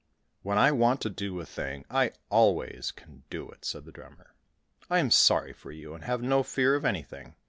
"When I want to do a thing I always can do it," said the drummer; "I am sorry for you, and have no fear of anything.